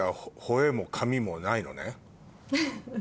フフフ。